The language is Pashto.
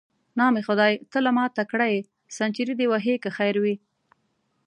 نام خدای، ته له ما تکړه یې، سنچري دې وهې که خیر وي.